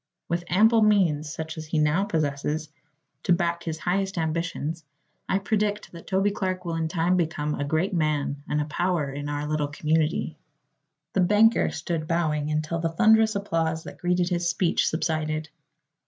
With ample means, such as he now possesses, to back his highest ambitions, I predict that Toby Clark will in time become a great man and a power in our little community." The banker stood bowing until the thunderous applause that greeted his speech subsided.